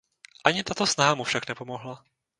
Ani tato snaha mu však nepomohla.